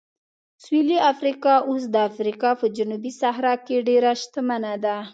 سویلي افریقا اوس د افریقا په جنوبي صحرا کې ډېره شتمنه ده.